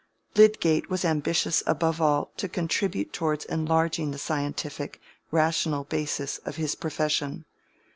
Lydgate was ambitious above all to contribute towards enlarging the scientific, rational basis of his profession.